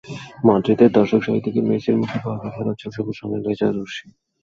মাদ্রিদের দর্শকসারি থেকে মেসির মুখে বারবার ফেলা হয়েছে সবুজ রঙের লেসার-রশ্মি।